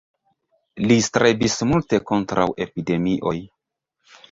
Li strebis multe kontraŭ epidemioj.